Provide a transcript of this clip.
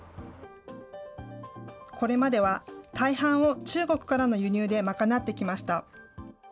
これまでは大半を中国からの輸入で賄ってきました。